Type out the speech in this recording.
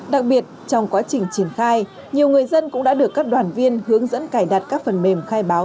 đặc biệt trong quá trình triển khai nhiều người dân cũng đã được các đoàn viên hướng dẫn cài đặt các phần mềm khai báo